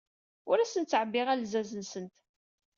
Ur asent-ttɛebbiɣ alzaz-nsent.